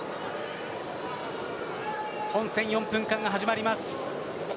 本戦４分間が始まります。